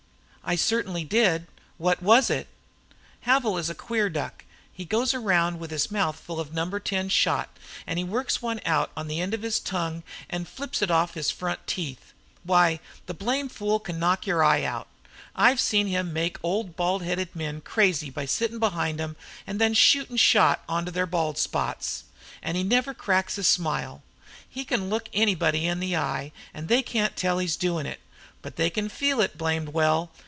"I certainly did. What was it?" "Havil is a queer duck. He goes round with his mouth full of number ten shot, an' he works one out on the end of his tongue, an' flips it off his front teeth. Why, the blame fool can knock your eye out. I've seen him make old baldheaded men crazy by sittin' behind them en' shootin' shot onto the bald spots. An' he never cracks a smile. He can look anybody in the eye, an' they can't tell he's doin' it, but they can feel it blamed well.